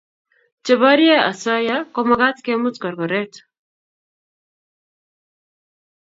che barie asoya ko magat kemut korokroret